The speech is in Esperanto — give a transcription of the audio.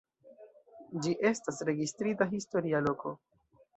Ĝi estas registrita historia loko.